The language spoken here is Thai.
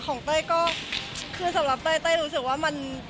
เต้ยก็คือสำหรับเต้ยรู้สึกว่ามัน